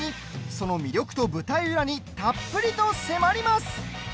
その魅力と舞台裏にたっぷりと迫ります。